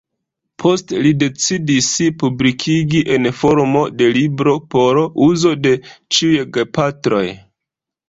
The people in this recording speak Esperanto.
Poste li decidis publikigi en formo de libro por uzo de ĉiuj gepatroj.